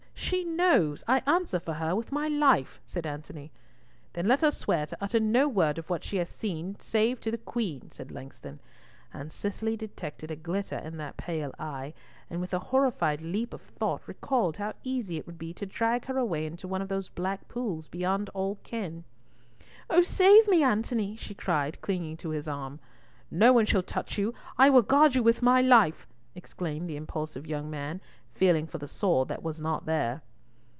she knows! I answer for her with my life," said Antony. "Let her then swear to utter no word of what she has seen save to the Queen," said Langston, and Cicely detected a glitter in that pale eye, and with a horrified leap of thought, recollected how easy it would be to drag her away into one of those black pools, beyond all ken. "Oh save me, Antony!" she cried clinging to his arm. "No one shall touch you. I will guard you with my life!" exclaimed the impulsive young man, feeling for the sword that was not there.